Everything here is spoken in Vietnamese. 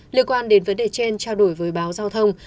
liên quan đến vấn đề trên trao đổi với báo giao thông